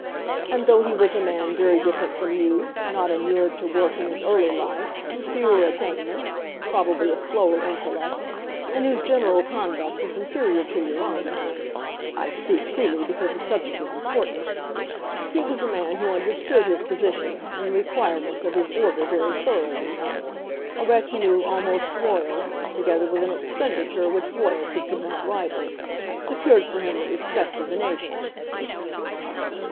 And, though he was a man very different from you, not inured to work in his early life, with fewer attainments, probably a slower intellect, and whose general conduct was inferior to your own, I speak freely because the subject is important, he was a man who understood his position and the requirements of his order very thoroughly. A retinue almost Royal, together with an expenditure which Royalty could not rival, secured for him the respect of the nation."